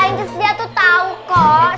inci sedia tuh tau kok